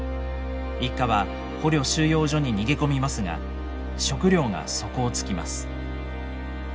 一家は捕虜収容所に逃げ込みますが食料が底をつきます。